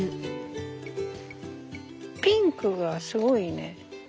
ピンクがすごいね。